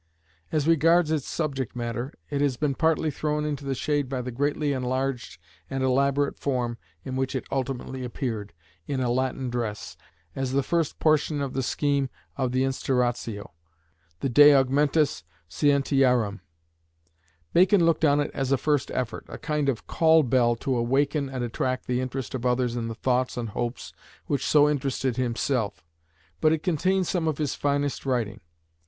As regards its subject matter, it has been partly thrown into the shade by the greatly enlarged and elaborate form in which it ultimately appeared, in a Latin dress, as the first portion of the scheme of the Instauratio, the De Augmentis Scientiarum. Bacon looked on it as a first effort, a kind of call bell to awaken and attract the interest of others in the thoughts and hopes which so interested himself. But it contains some of his finest writing.